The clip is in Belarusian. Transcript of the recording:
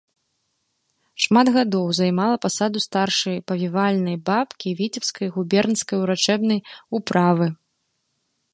Шмат гадоў займала пасаду старшай павівальнай бабкі віцебскай губернскай урачэбнай управы.